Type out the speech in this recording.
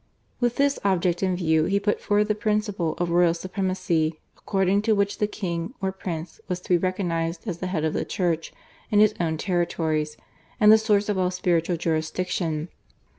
With this object in view he put forward the principle of royal supremacy, according to which the king or prince was to be recognised as the head of the church in his own territories, and the source of all spiritual jurisdiction.